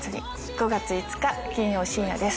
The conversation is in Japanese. ５月５日金曜深夜です。